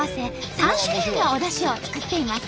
３種類のおだしを作っています。